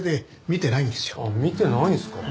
見てないんですか。